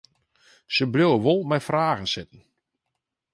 Se bliuwe wol mei fragen sitten.